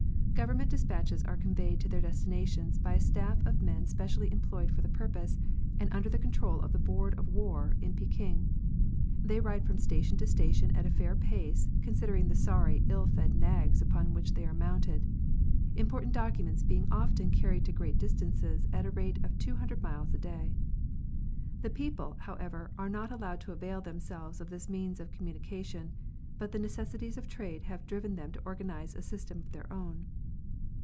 Government despatches are conveyed to their destinations by a staff of men specially employed for the purpose, and under the con trol of the Board of War in Peking. They ride from station to station at a fair pace, considering the sorry, ill fed nags upon which they are mounted ; important documents being often carried to great distances, at a rate of two hundred miles a day. The people, how ever, are not allowed to avail themselves of this means of communication, but the necessities of trade have driven them to organise a system of their own.